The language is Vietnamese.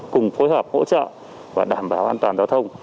cùng phối hợp hỗ trợ và đảm bảo an toàn giao thông